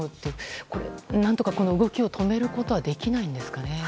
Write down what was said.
何とかこの動きを止めることはできないんですかね。